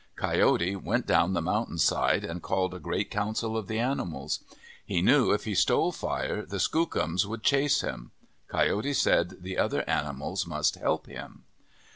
Coyote went down the mountain side and called a great council of the animals. He knew if he stole fire, the Skookums would chase him. Coyote said the other animals must help him.